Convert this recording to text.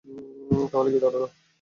তাহলে কী দাঁড়াল?